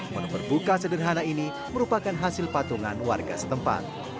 menu berbuka sederhana ini merupakan hasil patungan warga setempat